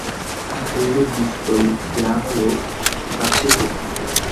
আর এইরূপ বিস্ময়ই জ্ঞানালোক-প্রাপ্তির প্রথম সোপান।